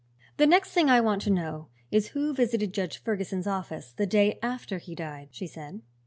"The next thing I want to know is who visited Judge Ferguson's office the day after he died," she said.